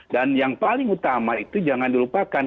dan yang paling utama itu jangan dilupakan